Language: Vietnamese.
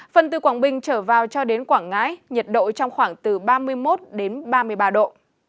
phần từ quảng bình trở vào cho đến quảng ngãi nhiệt độ trong khoảng từ ba mươi một đến ba mươi ba độ